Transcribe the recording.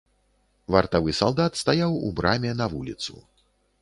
Вартавы салдат стаяў у браме на вуліцу.